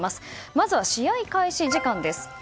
まずは試合開始時間です。